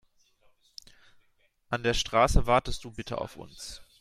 An der Straße wartest du bitte auf uns.